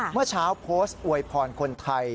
เมื่อเช้าโพสต์อวยพรคนไทย